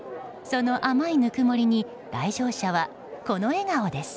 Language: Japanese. その甘いぬくもりに来場者は、この笑顔です。